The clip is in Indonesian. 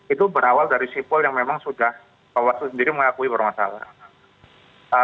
itu berawal dari sipol yang memang sudah bawaslu sendiri mengakui bermasalah